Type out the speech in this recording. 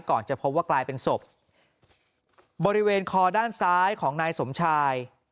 จะพบว่ากลายเป็นศพบริเวณคอด้านซ้ายของนายสมชาย